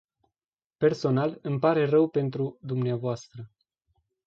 Personal, îmi pare rău pentru dumneavoastră.